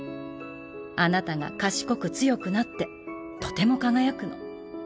あなたが賢く強くなってとても輝くの